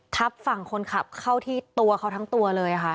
ทับฝั่งคนขับเข้าที่ตัวเขาทั้งตัวเลยค่ะ